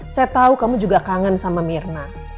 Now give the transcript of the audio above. saya tahu kamu juga kangen sama mirna